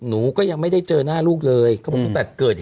นี่